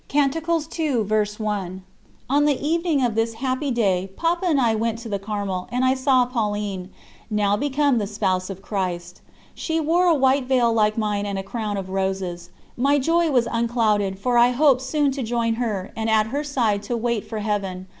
On the evening of this happy day Papa and I went to the Carmel, and I saw Pauline, now become the Spouse of Christ. She wore a white veil like mine and a crown of roses. My joy was unclouded, for I hoped soon to join her, and at her side to wait for Heaven.